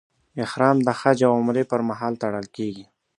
احرام د حج او عمرې پر مهال تړل کېږي.